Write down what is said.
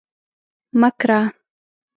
مه کره